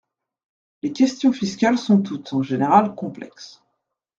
Les questions fiscales sont toutes, en général, complexes.